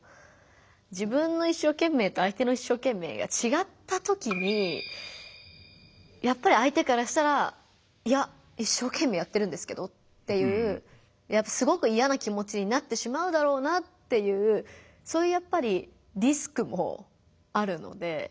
自分の一生懸命と相手の一生懸命がちがったときにやっぱり相手からしたら「いや一生懸命やってるんですけど」っていうすごく嫌な気持ちになってしまうだろうなっていうそういうやっぱりリスクもあるので。